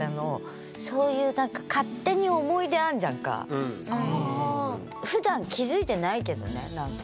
そういう何かふだん気付いてないけどね何か。